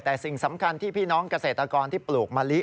แต่สิ่งสำคัญที่พี่น้องเกษตรกรที่ปลูกมะลิ